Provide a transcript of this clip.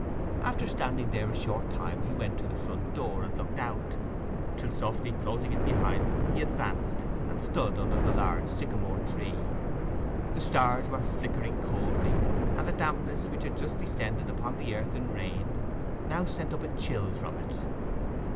After standing there a short time he went to the front door and looked out; till, softly closing it behind him, he advanced and stood under the large sycamore tree. The stars were flickering coldly, and the dampness which had just descended upon the earth in rain now sent up a chill from it.